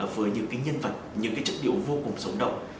với những nhân vật những chất liệu vô cùng xấu động